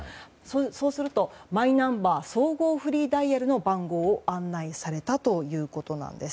そうするとマイナンバー総合フリーダイヤルの番号を案内されたということなんです。